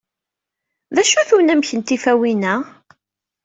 D acu-t unamek n tifawin-a?